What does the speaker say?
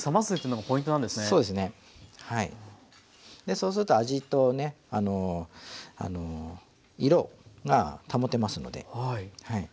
そうすると味とね色が保てますので。